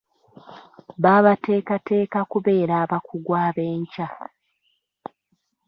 Babateekateeka kubeera abakugu ab’enkya.